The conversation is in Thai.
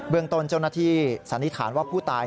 ตนเจ้าหน้าที่สันนิษฐานว่าผู้ตาย